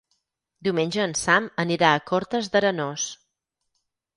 Diumenge en Sam anirà a Cortes d'Arenós.